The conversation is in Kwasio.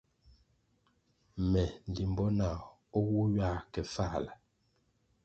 Me limbo nah o wu ywa ke Fāla.